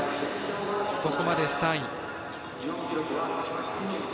ここまで３位です。